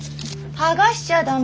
剥がしちゃダメ